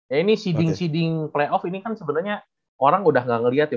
ya ini seeding seeding playoff ini kan sebenernya orang udah ga ngeliat ya